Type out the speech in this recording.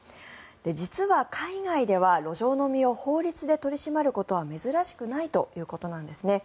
実は、海外では路上飲みを法律で取り締まることは珍しくないということなんですね。